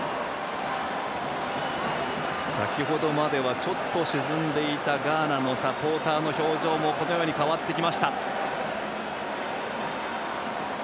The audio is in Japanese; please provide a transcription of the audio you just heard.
先ほどまではちょっと沈んでいたガーナのサポーターの表情もこのように変わってきました。